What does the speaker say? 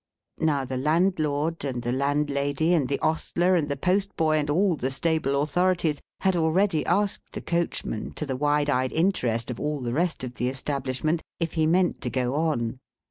Now the landlord, and the landlady, and the ostler, and the post boy, and all the stable authorities, had already asked the coachman, to the wide eyed interest of all the rest of the establishment, if he meant to go on.